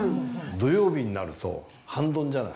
土曜日になると半ドンじゃない。